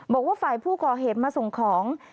บอกว่าฝ่ายผู้ก่อเหตุมาส่งของ